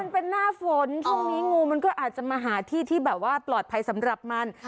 มันเป็นหน้าฝนช่วงนี้งูมันก็อาจจะมาหาที่ที่แบบว่าปลอดภัยสำหรับมัน